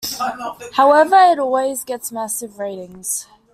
However it always gets massive ratings.